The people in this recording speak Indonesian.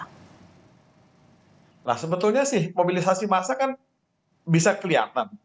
nah sebetulnya sih mobilisasi massa kan bisa kelihatan